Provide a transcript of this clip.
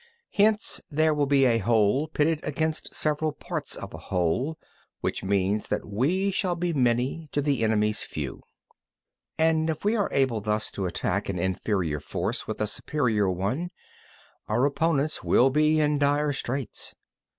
Hence there will be a whole pitted against separate parts of a whole, which means that we shall be many to the enemy's few. 15. And if we are able thus to attack an inferior force with a superior one, our opponents will be in dire straits.